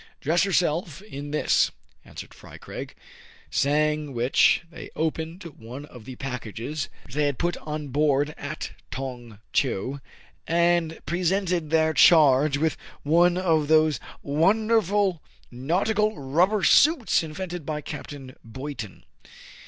" Dress yourself in this," answered Fry Craig. Saying which, they opened one of the packages they had put on board at Tong Tcheou, and pre 214 TRIBULATIONS OF A CHINAMAN. sen ted their charge with one of those wonderful nautical rubber suits invented by Capt. Boyton.